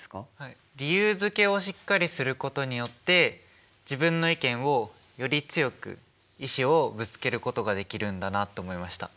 理由づけをしっかりすることによって自分の意見をより強く意思をぶつけることができるんだなって思いました。